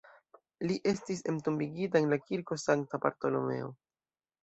Li estis entombigita en la Kirko Sankta Bartolomeo.